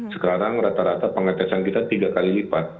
sekarang rata rata pengetesan kita tiga kali lipat